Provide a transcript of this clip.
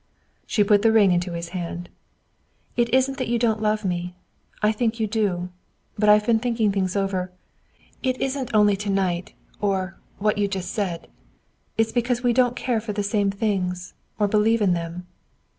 She put the ring into his hand. "It isn't that you don't love me. I think you do. But I've been thinking things over. It isn't only to night, or what you just said. It's because we don't care for the same things, or believe in them."